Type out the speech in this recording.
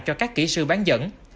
cho các kỹ sư bán dẫn